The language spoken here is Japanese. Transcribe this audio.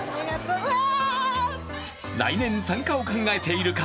来年参加を考えている方